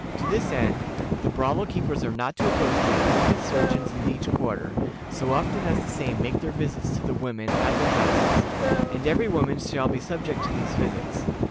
To this end, the brothel keepers are not to oppose the appointed surgeons in each quarter, so often as the same make their visits to the women at their houses; and every woman shall be subject to these visits.